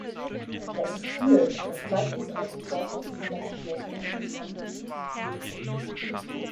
Das ist viel, doch zeigt dies auch die sportlichen Kapazitäten unseres Kontinents.